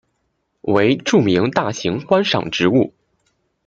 为著名大型观赏植物。